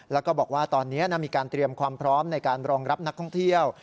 แล้วก็บอกว่าตอนนี้มีการเตรียมความพร้อมในการรองรับนักท่องเที่ยว